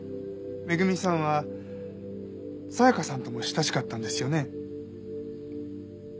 恵さんは紗香さんとも親しかったんですよね？